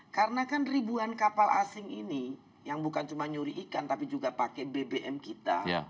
karena kan ribuan kapal asing ini yang bukan cuma nyuri ikan tapi juga pakai bbm kita